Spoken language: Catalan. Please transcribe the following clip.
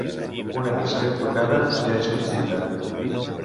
Una missa ben tocada ja és mig dita.